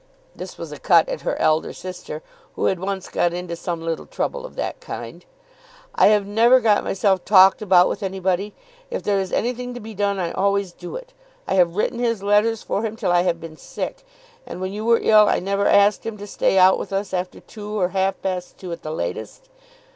This was a cut at her elder sister, who had once got into some little trouble of that kind. "I have never got myself talked about with any body. If there is anything to be done I always do it. I have written his letters for him till I have been sick, and when you were ill I never asked him to stay out with us after two or half past two at the latest.